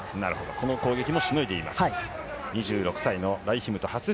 この攻撃もしのいでいます。